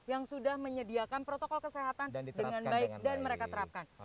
yang sudah menyediakan protokol kesehatan dengan baik dan mereka terapkan